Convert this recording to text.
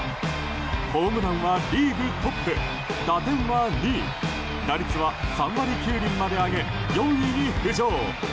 ホームランはリーグトップ打点は２位打率は３割９厘まで上げ４位に浮上。